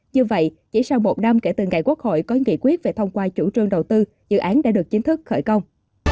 như vậy chỉ sau một năm kể từ ngày quốc hội có nghị quyết về thông qua chủ trương đầu tư dự án đã được chính thức khởi công